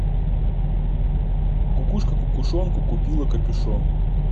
Кукушка кукушонку купила капюшон.